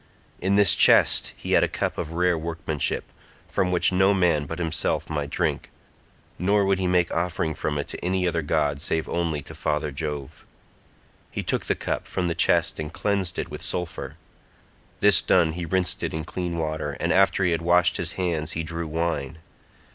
In this chest he had a cup of rare workmanship, from which no man but himself might drink, nor would he make offering from it to any other god save only to father Jove. He took the cup from the chest and cleansed it with sulphur; this done he rinsed it clean water, and after he had washed his hands he drew wine.